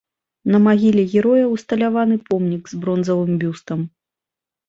На магіле героя усталяваны помнік з бронзавым бюстам.